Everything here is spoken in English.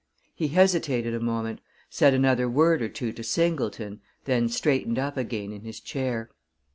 He hesitated a moment, said another word or two to Singleton, then straightened up again in his chair.